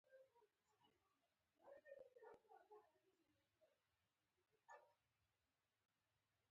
تنوع د افغانستان د اقتصادي منابعو ارزښت زیاتوي.